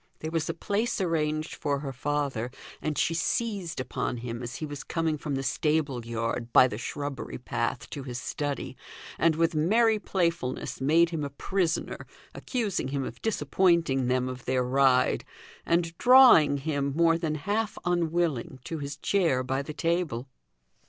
There was a place arranged for her father, and she seized upon him as he was coming from the stable yard, by the shrubbery path, to his study, and with merry playfulness made him a prisoner, accusing him of disappointing them of their ride, and drawing him more than half unwilling, to his chair by the table.